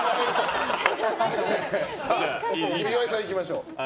じゃあ岩井さん、行きましょう。